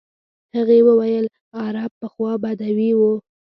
هغې ویل عرب پخوا بدوي وو.